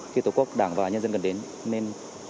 khi tổ quốc đảng và nhân dân gần đến